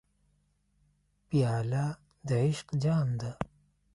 پیاله د عشق جام ده.